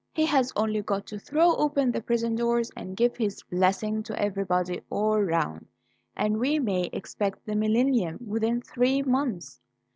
He has only got to throw open the prison doors and give his blessing to everybody all round, and we may expect the millennium within three months.